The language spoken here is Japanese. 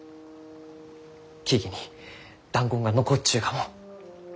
木々に弾痕が残っちゅうがも。